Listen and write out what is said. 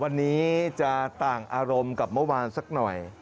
วันนี้จะต่างอารมณ์กับเมื่อวานสักหน่อย